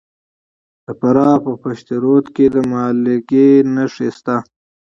د فراه په پشت رود کې د مالګې نښې شته.